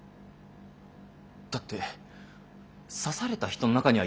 だって刺された人の中にはいますよね